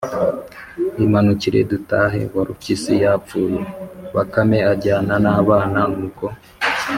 “imanukire dutahe, warupyisi yapfuye” bakame ajyana n’abana, nuko